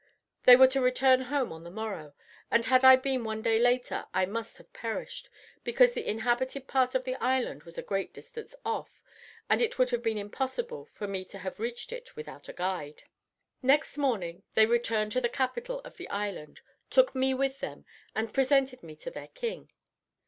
They were to return home on the morrow, and had I been one day later I must have perished, because the inhabited part of the island was a great distance off, and it would have been impossible for me to have reached it without a guide. Next morning they returned to the capital of the island, took me with them, and presented me to their king.